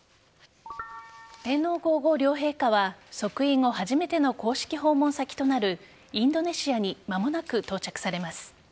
天皇皇后両陛下は即位後初めての公式訪問先となるインドネシアに間もなく到着されます。